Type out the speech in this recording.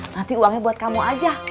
nanti uangnya buat kamu aja